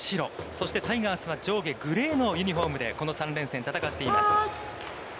そしてタイガースは、上下グレーのユニホームで、この３連戦、戦っています。